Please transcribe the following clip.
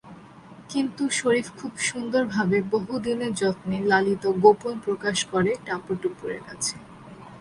কিন্তু শরীফ খুব সুন্দরভাবে বহুদিনের যত্নে লালিত গোপন প্রকাশ করে টাপুর-টুপুরের কাছে।